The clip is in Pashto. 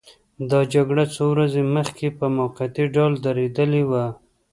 دا جګړه څو ورځې مخکې په موقتي ډول درېدلې وه.